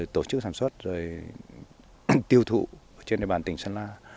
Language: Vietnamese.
tổ chức sản xuất rồi tiêu thụ trên địa bàn tỉnh sơn la